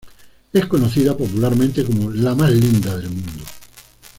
Es conocida popularmente como "La más linda del mundo".